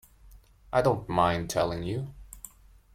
I don't mind telling you.